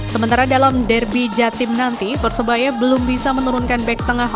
sementara dalam derby jatim nanti persebaya belum bisa menurunkan back tengah